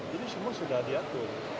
jadi semua sudah diatur